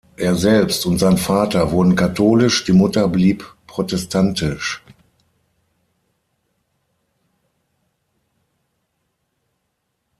Er selbst und sein Vater wurden katholisch, die Mutter blieb protestantisch.